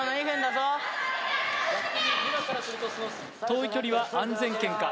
遠い距離は安全圏か。